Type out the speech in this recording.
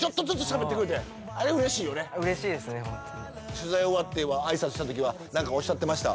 取材終わって挨拶したときは何かおっしゃってました？